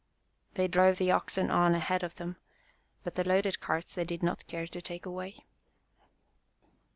They drove the oxen on ahead of them, but the loaded carts they did not care to take away.